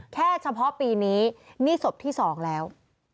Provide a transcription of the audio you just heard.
เฉพาะปีนี้นี่ศพที่๒แล้ว